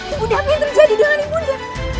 ibu dia apa yang terjadi dengan ibu dia